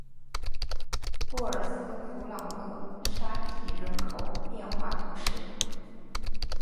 布尔斯弗朗勒沙皮人口变化图示